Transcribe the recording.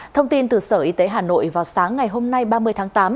thông tin từ sở y tế hà nội vào sáng ngày hôm nay ba mươi tháng tám